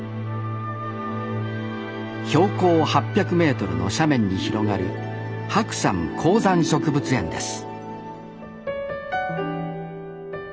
標高８００メートルの斜面に広がる白山高山植物園です